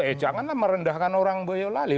eh janganlah merendahkan orang boyolali